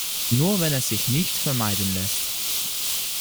Nur wenn es sich nicht vermeiden lässt.